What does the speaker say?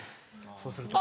そうすると。